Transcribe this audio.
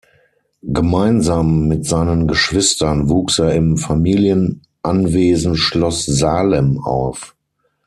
Gemeinsam mit seinen Geschwistern wuchs er im Familienanwesen Schloss Salem auf.